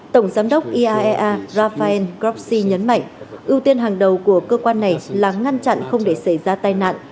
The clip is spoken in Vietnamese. tổng giám đốc iaea rafael grossi nhấn mạnh ưu tiên hàng đầu của cơ quan này là ngăn chặn không để xảy ra tai nạn